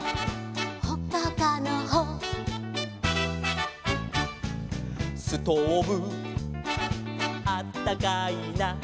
「ほっかほかのほ」「ストーブあったかいな」